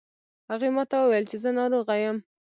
هغې ما ته وویل چې زه ناروغه یم